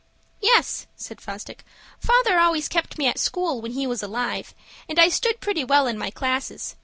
"Yes," said Fosdick. "Father always kept me at school when he was alive, and I stood pretty well in my classes.